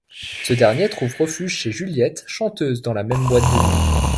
Ce dernier trouve refuge chez Juliette, chanteuse dans la même boîte de nuit.